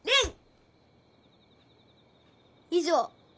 以上。